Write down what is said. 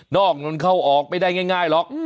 อกนั้นเข้าออกไม่ได้ง่ายหรอก